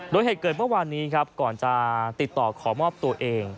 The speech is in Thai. โดยเหตุเกิดเมื่อวานนี้ครับก่อนจะติดต่อขอมอบตัวเอง